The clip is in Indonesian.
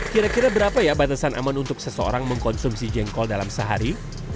kira kira berapa ya batasan aman untuk seseorang mengkonsumsi jengkol dalam sehari